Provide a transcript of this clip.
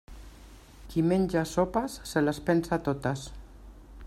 Qui menja sopes se les pensa totes.